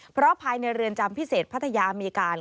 เพราะภายในเรือนจำพิเศษพัทยามีการ